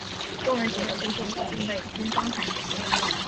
众人写的书信不幸被军方看见。